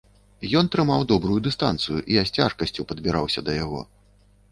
Ён трымаў добрую дыстанцыю, я з цяжкасцю падбіраўся да яго.